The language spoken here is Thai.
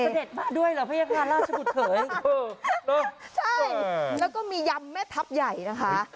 สะเด็ดมากด้วยหรอพระยักราชราชบุตรเคยใช่แล้วก็มียำแม่ทับใหญ่นะคะ